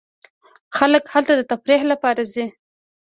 خلک هلته د تفریح لپاره ځي.